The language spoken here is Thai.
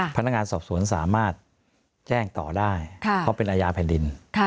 พนักงานสอบสวนสามารถแจ้งต่อได้เพราะเป็นอาญาแผ่นดิน